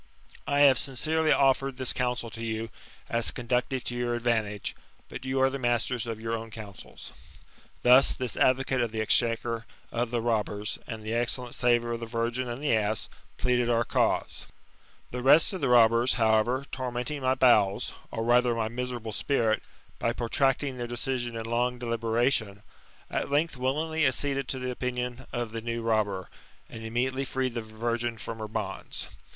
I have sincerely offered this counsel to you, as conducive to your advantage ; but you are the masters of your own counsels." Thus this advocate of the exchequer of the robbers, and the excellent saviour of the virgin and the ass, pleaded our cause. The rest of the robbers, however, tormenting my bowels, or rather my miserable spirit, by protracting their decision in long deliberation, at length willingly acceded t6 the opinion of the new robber, and immediately freed the* virgin from her bonds.